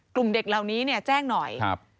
กลุ่มเด็กเหล่านี้เนี่ยแจ้งหน่อย